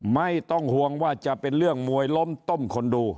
ไม่ต้องห่วงว่าจะเป็นเรื่องมวยล้มต้มคนดู